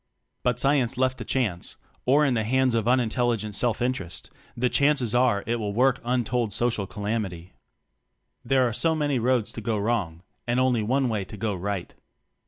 But, Science left to chance, or in the hands of unintelligent self interest, TECHNOCRACY 13 e E a the chances are it will work untold social calamity. There are so many roads to go wrong, and only one way to go ri^ht.